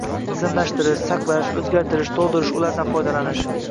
tizimlashtirish, saqlash, o‘zgartirish, to‘ldirish, ulardan foydalanish